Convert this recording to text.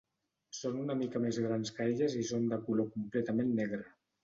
Són una mica més grans que elles i són de color completament negre.